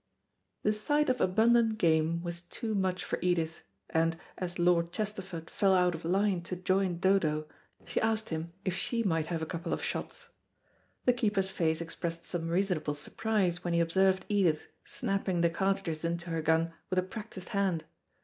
The sight of abundant game was too much for Edith, and, as Lord Chesterford fell out of line to join Dodo, she asked him if she might have a couple of shots. The keeper's face expressed some reasonable surprise when he observed Edith snapping the cartridges into her gun with a practised hand.